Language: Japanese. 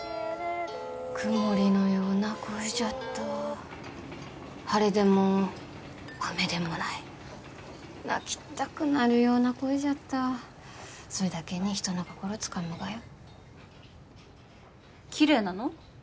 曇りのような声じゃった晴れでも雨でもない泣きたくなるような声じゃったそいだけに人の心つかむがよきれいなの？